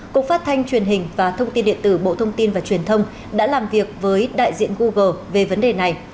cục phát thanh truyền hình và thông tin điện tử bộ thông tin và truyền thông đã làm việc với đại diện google về vấn đề này